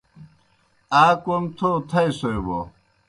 آ کوْم تھو تھائیسوئے بوْ